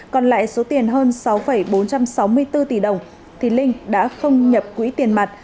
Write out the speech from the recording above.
còn lại số tiền hơn sáu bốn trăm sáu mươi bốn tỷ đồng thì linh đã không nhập quỹ tiền mặt